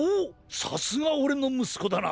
さすがオレのむすこだな！